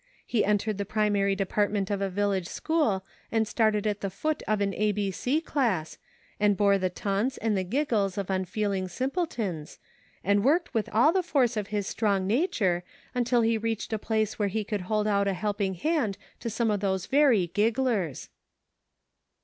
He entered the primary department of a village school, and stood at the foot of an a b c class, and bore the taunts and the giggles of unfeeling simpletons, and worked with all the force of his strong nature, until he ENERGY AND FORCE. 1 23 reached a place where he could hold out a helping hand to some of those very gigglers."